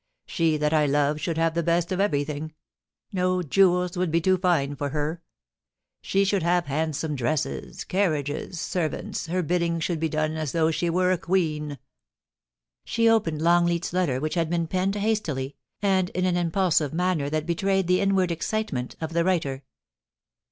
She that I love should have the best of everything — no jewels would be too fine for her. She should have hand some dresses — carriages — servants — her bidding should be done as though she were a queen. ' She opened Longleat's letter which had been penned hastily, and in an impulsive manner that betrayed the inward excitement of the writer.